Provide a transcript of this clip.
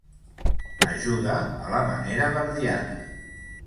Ajuda a la manera verdiana.